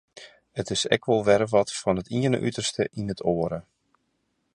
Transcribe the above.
It is ek wol wer fan it iene uterste yn it oare.